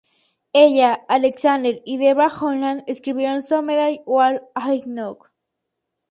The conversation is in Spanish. Ella, Alexander y Debra Holland escribieron "Someday We'll know".